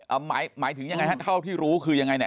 หมายหมายถึงยังไงฮะเท่าที่รู้คือยังไงเนี่ย